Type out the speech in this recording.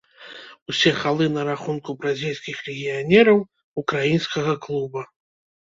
Усе галы на рахунку бразільскіх легіянераў украінскага клуба.